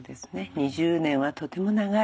２０年はとても長い。